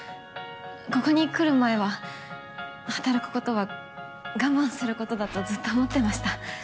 ここに来る前は働くことは我慢することだとずっと思ってました。